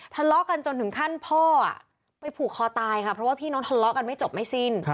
ทะเลาะกันจนถึงขั้นพ่อไปผูกคอตายค่ะเพราะว่าพี่น้องทะเลาะกันไม่จบไม่สิ้น